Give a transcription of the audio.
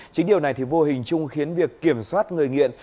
chính điều này thì vô hình chung khiến việc kiểm soát người nghiện